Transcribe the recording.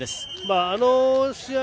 あの試合